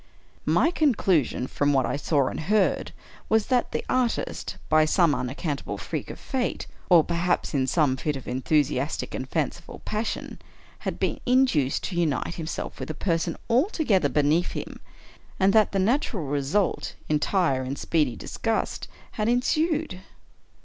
My conclusion, from what I saw and heard, was, that the artist, by some unaccountable freak of fate, or perhaps in some fit of enthusiastic and fanciful passion, had been in duced to unite himself with a person altogether beneath him, and that the natural result, entire and speedy disgust, had ensued.